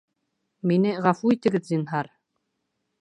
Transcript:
Мине ғәфү итегеҙ, зинһар